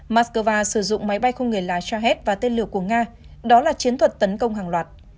moscow sử dụng máy bay không người lái chah và tên lửa của nga đó là chiến thuật tấn công hàng loạt